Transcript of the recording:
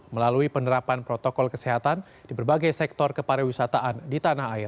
melalui penerapan protokol kesehatan di berbagai sektor kepariwisataan di tanah air